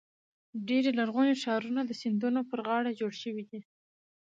ډېری لرغوني ښارونه د سیندونو پر غاړو جوړ شوي دي.